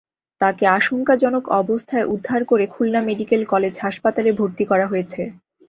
তাঁকে আশঙ্কাজনক অবস্থায় উদ্ধার করে খুলনা মেডিকেল কলেজ হাসপাতালে ভর্তি করা হয়েছে।